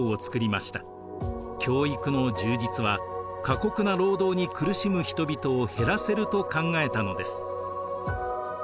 教育の充実は過酷な労働に苦しむ人々を減らせると考えたのです。